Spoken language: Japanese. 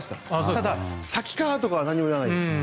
ただ、先かあとかは何も言わない。